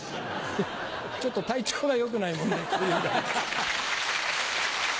ちょっと体調が良くないもんで小遊三です。